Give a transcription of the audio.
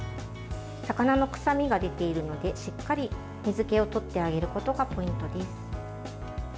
魚の臭みが出ているのでしっかり水けをとってあげることがポイントです。